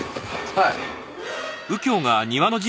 はい。